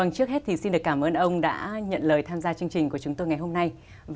trước hết thì xin được cảm ơn ông đã nhận lời tham gia chương trình của chúng tôi ngày hôm nay